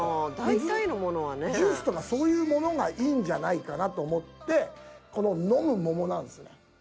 水ジュースとかそういうものがいいんじゃないかなと思ってこののむももなんですね。